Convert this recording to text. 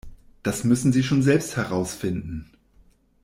Das müssen Sie schon selbst herausfinden.